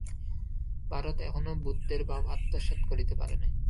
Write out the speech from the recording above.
ভারত এখনও বুদ্ধের ভাব আত্মসাৎ করিতে পারে নাই।